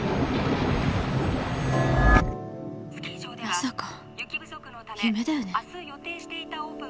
まさか夢だよね。